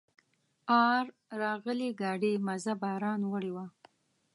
آر راغلي ګاډي مزه باران وړې وه.